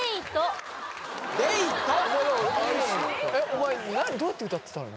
お前どうやって歌ってたの？